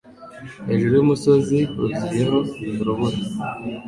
Hejuru yumusozi huzuyeho urubura.